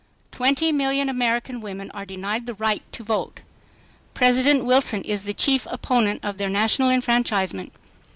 TWENTY MILLION AMERI' CAN WOMEN ARE DENIED THE RIGHT TO VOTE. PRESI DENT WILSON IS THE CHIEF OPPONENT OF THEIR NA TIONAL ENFRANCHISEMENT.